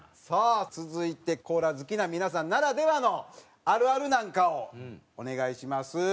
さあ続いてコーラ好きな皆さんならではのあるあるなんかをお願いします。